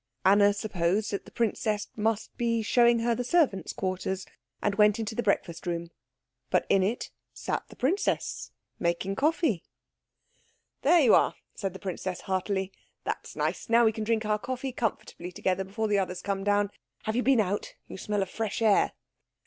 Anna supposed that the princess must be showing her the servants' quarters, and went into the breakfast room; but in it sat the princess, making coffee. "There you are," said the princess heartily. "That is nice. Now we can drink our coffee comfortably together before the others come down. Have you been out? You smell of fresh air."